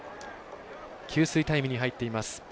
給水タイムに入っています。